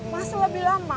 masa lebih lama